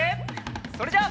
それじゃあ。